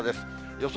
予想